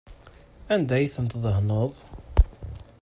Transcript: Anda ay ten-tdehneḍ?